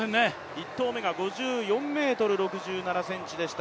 １投目が５４ｍ６７ｃｍでした。